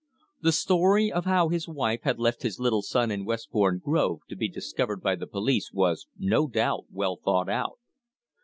The story of how his wife had left his little son in Westbourne Grove to be discovered by the police was no doubt well thought out.